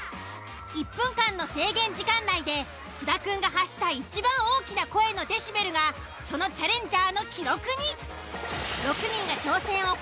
１分間の制限時間内で津田くんが発した一番大きな声のデシベルがそのチャレンジャーの記録に。